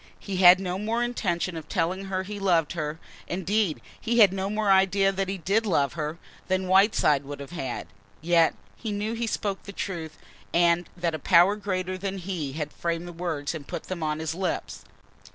He had no more intention of telling her he loved her, indeed he had no more idea that he did love her, than Whiteside would have had. Yet he knew he spoke the truth and that a power greater than he had framed the words and put them on his lips.